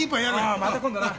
ああまた今度な。